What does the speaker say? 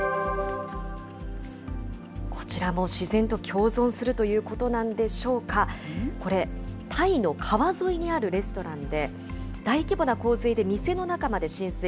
こちらも自然と共存するということなんでしょうか、これ、タイの川沿いにあるレストランで、大規模な洪水で店の中まで浸水。